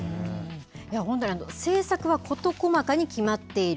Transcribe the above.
本当に政策は事細かに決まっている。